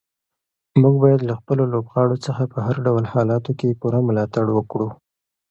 موږ باید له خپلو لوبغاړو څخه په هر ډول حالاتو کې پوره ملاتړ وکړو.